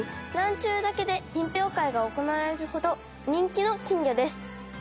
ちゅうだけで品評会が行われるほど人気の金魚です。